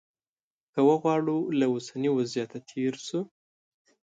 که وغواړو له اوسني وضعیته تېر شو.